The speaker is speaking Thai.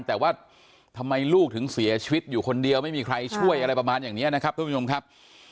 แต่ว่าทำไมลูกถึงเสียชีวิตอยู่คนเดียวไม่มีใครช่วยอะไรประมาณอย่างนี้นะครับทุกผู้ชมครับ